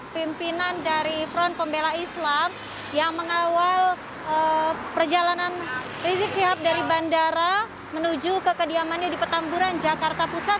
pimpinan dari front pembela islam yang mengawal perjalanan rizik sihab dari bandara menuju ke kediamannya di petamburan jakarta pusat